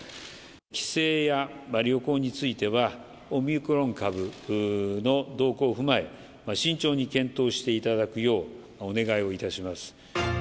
帰省や旅行については、オミクロン株の動向を踏まえ、慎重に検討していただくようお願いをいたします。